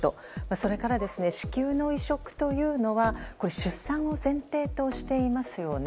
それから、子宮の移植というのは出産を前提としていますよね。